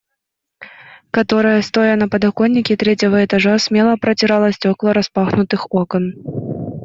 Которая, стоя на подоконнике третьего этажа, смело протирала стекла распахнутых окон.